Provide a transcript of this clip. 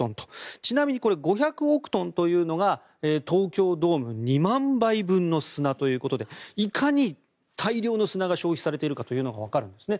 ちなみに５００億トンというのが東京ドーム２万杯分の砂ということでいかに大量の砂が消費されているかというのがわかるんですね。